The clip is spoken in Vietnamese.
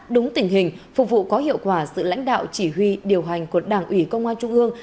đúng tình hình phục vụ có hiệu quả sự lãnh đạo chỉ huy điều hành của đảng ủy công an trung ương